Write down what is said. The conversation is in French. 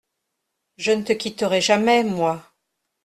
Je ne te quitterai jamais, moi !